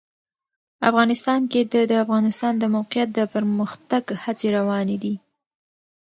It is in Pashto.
افغانستان کې د د افغانستان د موقعیت د پرمختګ هڅې روانې دي.